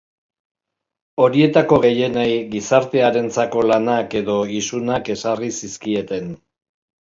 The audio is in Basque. Horietako gehienei gizartearentzako lanak edo isunak ezarri zizkieten.